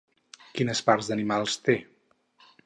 Quines parts d'animals té?